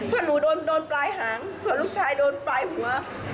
ถ้าหนูโดนโดนปลายหางถ้าลูกชายโดนปลายหัว